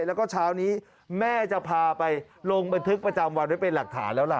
แล้วก็เช้านี้แม่จะพาไปลงบันทึกประจำวันไว้เป็นหลักฐานแล้วล่ะ